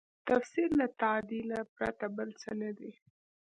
تفسیر له تعدیله پرته بل څه نه دی.